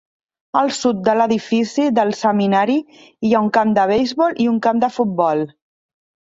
Al sud de l'edifici del seminari hi ha un camp de beisbol i un camp de futbol.